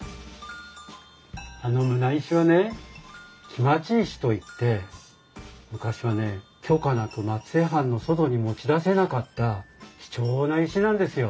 あの棟石はね来待石といって昔はね許可なく松江藩の外に持ち出せなかった貴重な石なんですよ。